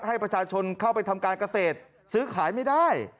ให้ประชาชนเข้าไปทำการเกษตรซื้อขายไม่ได้